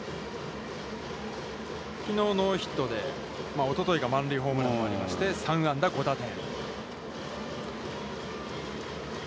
きのうノーヒットで、おとといが満塁ホームランもありまして、３安打５打点。